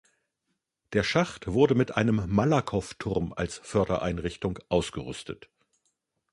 Der Schacht wurde mit einem Malakowturm als Fördereinrichtung ausgerüstet.